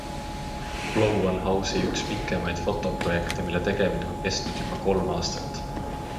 BLOW on Hausi üks pikemaid fotoprojekte, mille tegemine on kestnud juba kolm aastat.